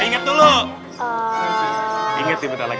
ini jadinya jadi kecepatan